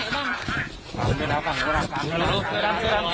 ลูกเค้าอยู่น้ำกลางลูกเค้าอยู่น้ำกลาง